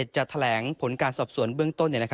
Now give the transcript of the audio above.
จะแถลงผลการสอบสวนเบื้องต้น